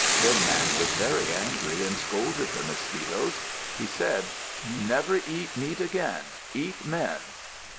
Then Man was very angry and scolded the mosquitoes. He said, "Never eat meat again. Eat men."